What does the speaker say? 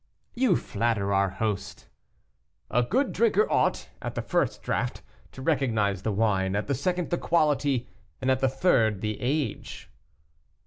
"You flatter our host." "A good drinker ought, at the first draught, to recognize the wine, at the second, the quality, and, at the third, the age."